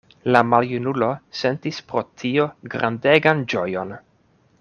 La maljunulo sentis pro tio grandegan ĝojon.